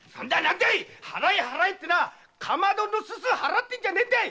払え払えってかまどの煤払ってんじゃねえんだ！